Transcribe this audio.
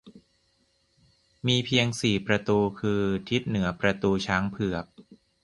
มีเพียงสี่ประตูคือ ทิศเหนือประตูช้างเผือก